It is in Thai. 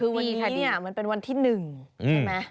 คือวีค่ะเนี่ยมันเป็นวันที่๑ใช่ไหม